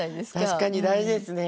確かに大事ですね。